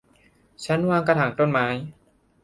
ชั้นวางกระถางต้นไม้